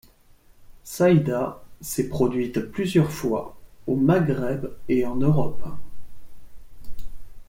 Saida s'est produite plusieurs fois au Maghreb et en Europe.